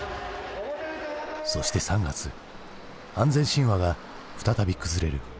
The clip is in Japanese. そして３月安全神話が再び崩れる。